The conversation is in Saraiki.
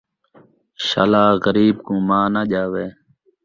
شالا غریب کوں ماء ناں ڄاوے